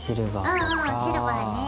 ああシルバーね。